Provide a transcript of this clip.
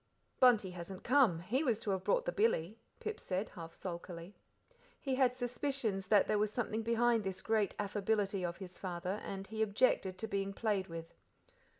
"Bunty hasn't come, he was to have brought the billy," Pip said, half sulkily. He had suspicions that there was something behind this great affability of his father, and he objected to being played with.